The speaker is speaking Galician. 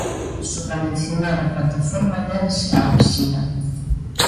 Sobre a mencionada plataforma elévase a ábsida.